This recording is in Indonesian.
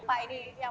dari partai dan semua